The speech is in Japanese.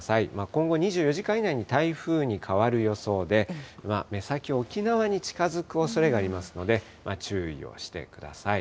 今後２４時間以内に台風に変わる予想で、目先、沖縄に近づくおそれがありますので、注意をしてください。